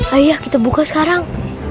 ayah kita buka sekarang